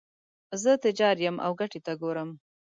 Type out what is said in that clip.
زه تجار یم او ګټې ته ګورم.